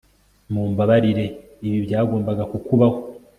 mumbabarire ibi byagombaga kukubaho